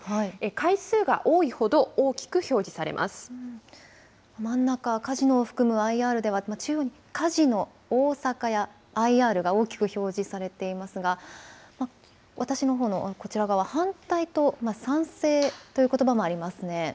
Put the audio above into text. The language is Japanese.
回数が多いほど大きく表示されま真ん中、カジノを含むＩＲでは、中央にはカジノ、大阪や、ＩＲが大きく表示されていますが、私のほうのこちら側、反対と賛成ということばもありますね。